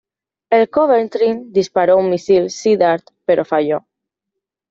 El "Coventry" disparó un misil Sea Dart pero falló.